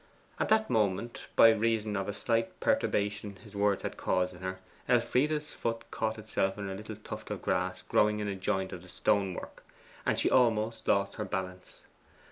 At that moment, by reason of a slight perturbation his words had caused in her, Elfride's foot caught itself in a little tuft of grass growing in a joint of the stone work, and she almost lost her balance.